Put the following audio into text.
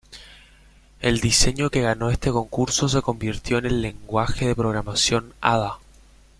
El diseño que ganó este concurso se convirtió en el lenguaje de programación Ada.